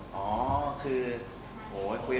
หรือเป็นอะไรอย่างนี้